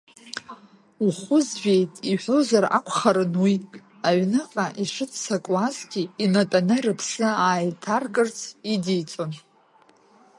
Ухәызжәеит, иҳәозар акәхарын уи, аҩныҟа ишыццакуазгьы, инатәаны рыԥсы ааиҭаркырц идиҵон.